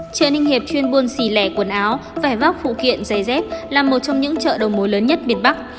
chợ ninh hiệp chuyên buôn xì lẻ quần áo vẻ vóc phụ kiện giày dép là một trong những chợ đồng mối lớn nhất biển bắc